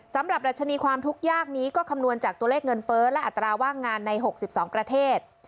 ดัชนีความทุกข์ยากนี้ก็คำนวณจากตัวเลขเงินเฟ้อและอัตราว่างงานใน๖๒ประเทศ